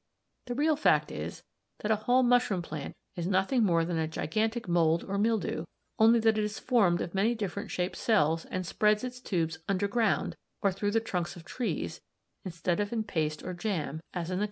The real fact is, that a whole mushroom plant is nothing more than a gigantic mould or mildew, only that it is formed of many different shaped cells, and spreads its tubes underground or through the trunks of trees instead of in paste or jam, as in the case of the mould."